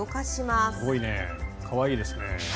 すごいね、可愛いですね。